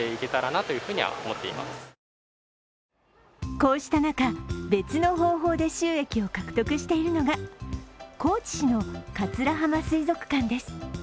こうした中、別の方法で収益を獲得しているのが高知市の桂浜水族館です。